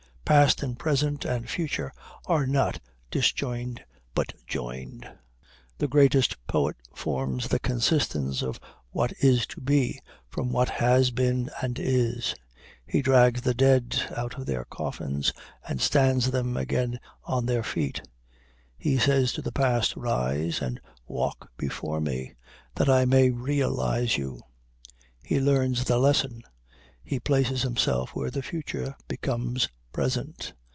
Past and present and future are not disjoin'd but join'd. The greatest poet forms the consistence of what is to be, from what has been and is. He drags the dead out of their coffins and stands them again on their feet. He says to the past, Rise and walk before me that I may realize you. He learns the lesson he places himself where the future becomes present.